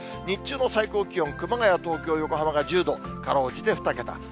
日中の最高気温、熊谷、東京、横浜が１０度、かろうじて２桁。